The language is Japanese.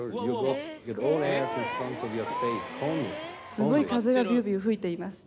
「すごい風がびゅーびゅー吹いています」